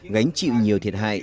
gánh chịu nhiều thiệt hại